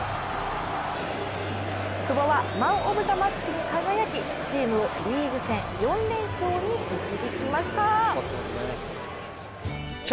久保はマン・オブ・ザ・マッチに輝き、チームをリーグ戦４連勝に導きました。